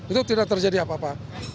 itu tidak terjadi apa apa